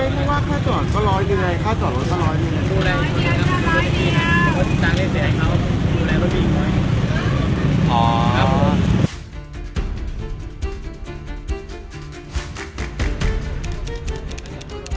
ค่าจอดรถก็ร้อยด้วยค่าจอดรถก็ร้อยด้วย